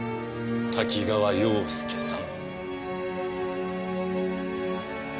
多岐川洋介さん。